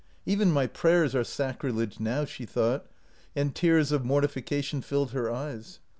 " Even my prayers are sacrilege now," she thought, and tears of mortifica tion filled her eyes.